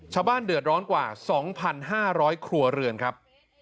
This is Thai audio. ชาวบ้านเดือดร้อนกว่า๒๕๐๐ครัวเรือนครับ